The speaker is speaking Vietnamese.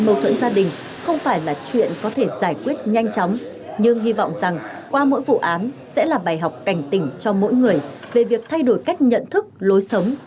mâu thuẫn gia đình không phải là chuyện có thể giải quyết nhanh chóng nhưng hy vọng rằng qua mỗi vụ án sẽ là bài học cảnh tỉnh cho mỗi người về việc thay đổi cách nhận thức lối sống